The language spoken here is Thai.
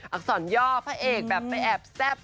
อักษรย่อพระเอกแบบไปแอบแซ่บ